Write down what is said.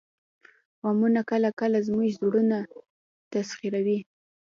غمونه کله کله زموږ زړونه تسخیروي